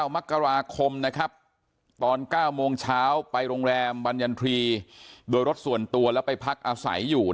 มกราคมนะครับตอน๙โมงเช้าไปโรงแรมบรรยันทรีย์โดยรถส่วนตัวแล้วไปพักอาศัยอยู่